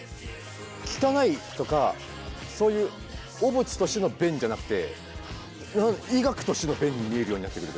汚いとかそういう汚物としての便じゃなくて医学としての便に見えるようになってくるというか。